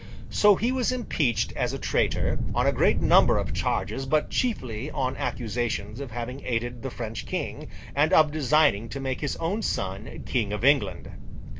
So he was impeached as a traitor, on a great number of charges, but chiefly on accusations of having aided the French King, and of designing to make his own son King of England.